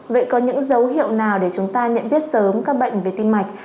vậy có những dấu hiệu nào để chúng ta nhận biết sớm các bệnh về tim mạch